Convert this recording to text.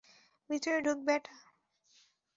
ভিতরে ঢুক, ব্যাটা!